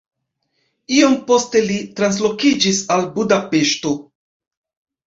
Iom poste li translokiĝis al Budapeŝto.